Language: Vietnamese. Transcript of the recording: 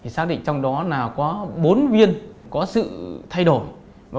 xác định trong đó có bốn viên có sự thay đổi